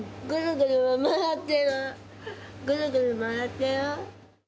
ぐるぐる回ってる。